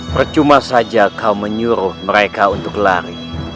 percuma saja kau menyuruh mereka untuk lari